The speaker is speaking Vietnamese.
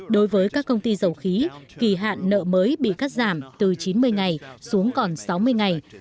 đối với các công ty dầu khí kỳ hạn nợ mới bị cắt giảm từ chín mươi ngày xuống còn sáu mươi ngày